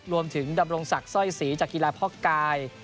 รวมถึงดำรงศักดิ์สร้อยศรีจากกีฬาพ่อกาย